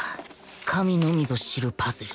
神のみぞ知るパズル